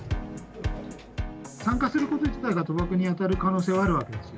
参加すること自体が賭博に当たる可能性はあるわけです。